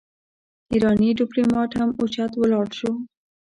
ايرانی ډيپلومات هم اوچت ولاړ شو.